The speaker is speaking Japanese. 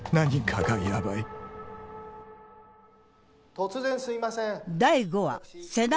・突然すいません。